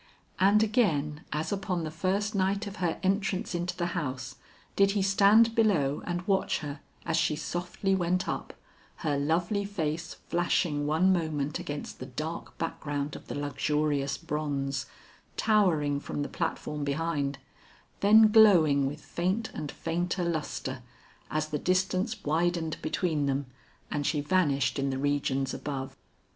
And again as upon the first night of her entrance into the house, did he stand below and watch her as she softly went up, her lovely face flashing one moment against the dark background of the luxurious bronze, towering from the platform behind, then glowing with faint and fainter lustre, as the distance widened between them and she vanished in the regions above.